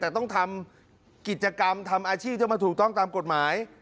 แต่ต้องทำกิจกรรมทำอาชีพให้มันถูกต้องตามกฎหมาย